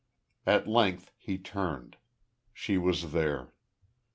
At length he turned.... She was there.